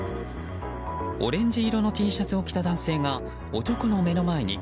オレンジ色のＴシャツを着た男性が、男の目の前に。